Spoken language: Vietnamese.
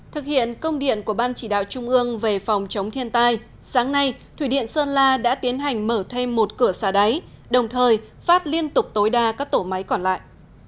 thực hiện công điện của ban chỉ đạo trung ương về phòng chống thiên tai sáng nay thủy điện sơn la đã tiến hành mở thêm một cửa xả đáy đồng thời phát liên tục tối đa các tổ máy còn lại